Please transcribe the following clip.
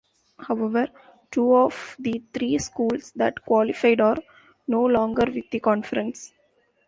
However, two of the three schools that qualified are no longer with the conference.